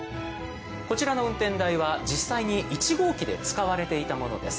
こちらの運転台は、実際に１号機で使われていたものです。